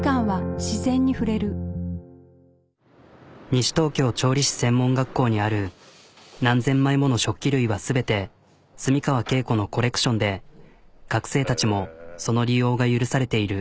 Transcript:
西東京調理師専門学校にある何千枚もの食器類は全て住川啓子のコレクションで学生たちもその利用が許されている。